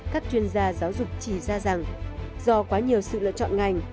các chuyên gia giáo dục chỉ ra rằng do quá nhiều sự lựa chọn ngành